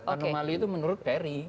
anomali itu menurut ferry